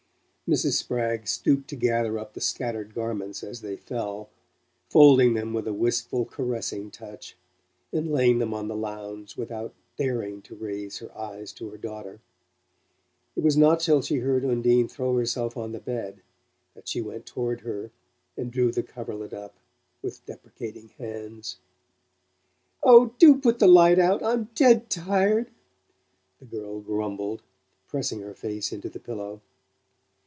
Mrs. Spragg stooped to gather up the scattered garments as they fell, folding them with a wistful caressing touch, and laying them on the lounge, without daring to raise her eyes to her daughter. It was not till she heard Undine throw herself on the bed that she went toward her and drew the coverlet up with deprecating hands. "Oh, do put the light out I'm dead tired," the girl grumbled, pressing her face into the pillow.